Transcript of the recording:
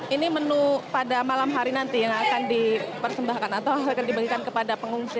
ini menu pada malam hari nanti yang akan dipersembahkan atau akan dibagikan kepada pengungsi